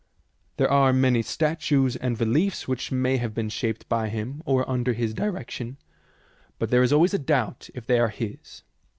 There are many statues and reliefs which may have been shaped by him or under his direction, but there is always a doubt if they are his.